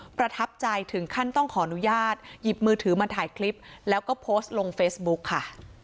ประทับใจถึงขั้นต้องขออนุญาตหยิบมือถือมาถ่ายคลิปแล้วก็โพสต์ลงเฟซบุ๊กค่ะ